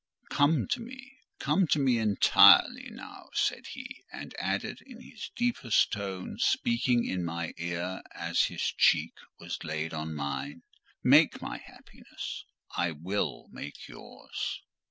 "Come to me—come to me entirely now," said he; and added, in his deepest tone, speaking in my ear as his cheek was laid on mine, "Make my happiness—I will make yours."